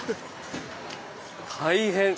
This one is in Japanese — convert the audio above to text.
大変！